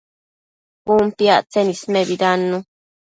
Cun piactsen ismebidannu